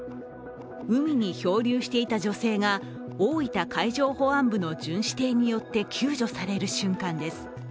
海に漂流していた女性が大分海上保安部の巡視艇によって救助される瞬間です。